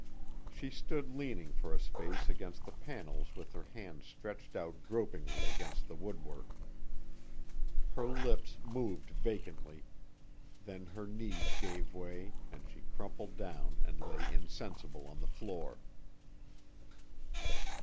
She stood leaning for a space against the panels with her hands stretched out gropingly against the woodwork. Her lips moved vacantly, then her knees gave way and she crumpled down and lay insensible on the floor.